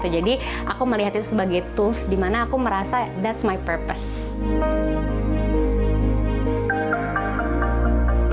jadi aku melihatnya sebagai tools di mana aku merasa that's my purpose